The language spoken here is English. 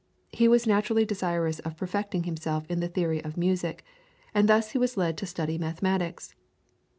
He was naturally desirous of perfecting himself in the theory of music, and thus he was led to study mathematics.